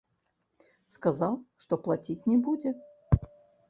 Сказаў, што плаціць не будзе.